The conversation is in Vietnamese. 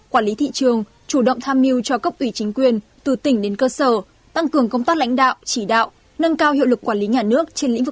quản lý thị trường chủ động tham mưu cho cốc ủy chính quyền từ tỉnh đến cơ sở